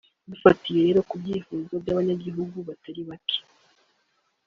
Dufatiye rero ku vyipfuzo vy'abanyihugu batari bake